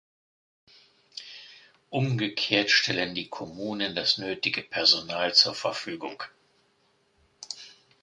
Umgekehrt stellen die Kommunen das nötige Personal zur Verfügung.